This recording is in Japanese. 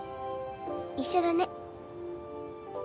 一緒だね。